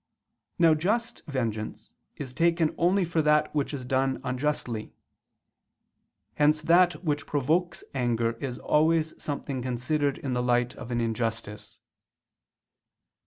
Now just vengeance is taken only for that which is done unjustly; hence that which provokes anger is always something considered in the light of an injustice.